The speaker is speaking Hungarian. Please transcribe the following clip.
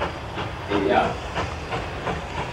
Éjjel?